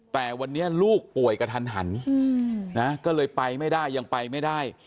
แต่วันนี้ลูกป่วยกระทันหันนะก็เลยไปไม่ได้ยังไปไม่ได้